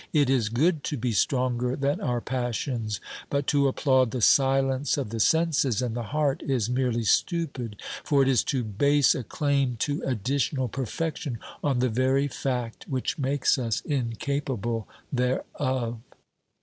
It is good to be stronger than our passions, but to applaud the silence of the senses and the heart is merely stupid, for it is to base a claim to additional perfection on the very fact which makes us incapable thereof.